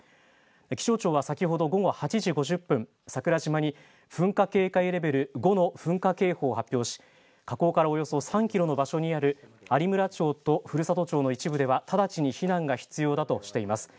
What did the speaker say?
気象庁は先ほど午後８時５０分桜島に噴火警戒レベル５の噴火警報を発表し火口からおよそ３キロの場所にある有村町と古里町の一部では直ちに避難が必要だとしています。